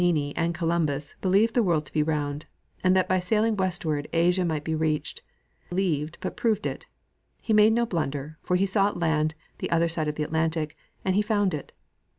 Many before Toscanelli and Columbus believed the world to be round, and that by sailing westward Asia might be reached, Columbus not only believed but proved it. He made no blunder, for he sought land the other side of the Atlantic, and he found it.